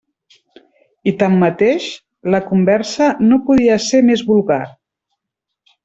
I tanmateix, la conversa no podia ser més vulgar.